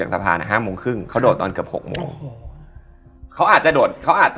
นั่นน่ากลัวสุดหรอค่ะ